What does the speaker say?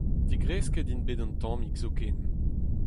Digresket int bet un tammig zoken.